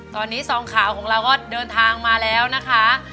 ตอนนี้ซองข่าวของเราก็เดินทางมาแล้วนะคะ